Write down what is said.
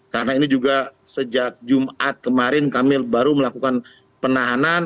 karena ini juga sejak jumat kemarin kami baru melakukan penahanan